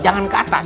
jangan ke atas